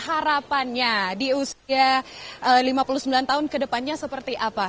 harapannya di usia lima puluh sembilan tahun ke depannya seperti apa